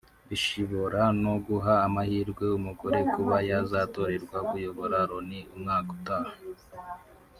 bishibora no guha amahirwe umugore kuba yazatorerwa kuyobora Loni umwaka utaha